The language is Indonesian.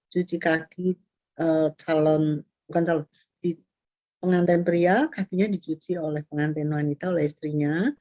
cuci kaki pengantin pria kakinya dicuci oleh pengantin wanita oleh istrinya